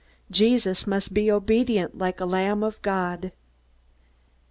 Jesus must be obedient like a Lamb of God.